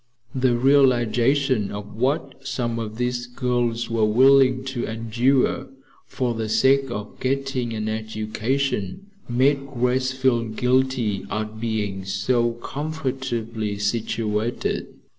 The realization of what some of these girls were willing to endure for the sake of getting an education made Grace feel guilty at being so comfortably situated.